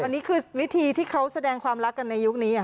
อันนี้คือวิธีที่เขาแสดงความรักกันในยุคนี้